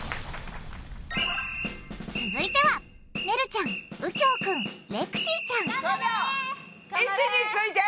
続いてはねるちゃんうきょうくんレクシーちゃん位置について。